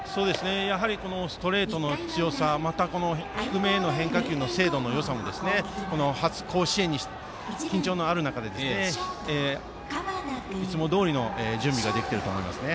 やはり、ストレートの強さまた、低めへの変化球の精度のよさも初甲子園で緊張もある中いつもどおりの準備ができていると思います。